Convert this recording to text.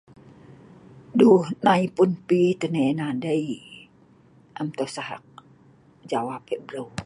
Duh nai pun pi teh' ena dei, am tosah eek jawab yeh breu